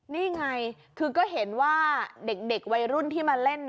นี่ไงคือก็เห็นว่าเด็กวัยรุ่นที่มาเล่น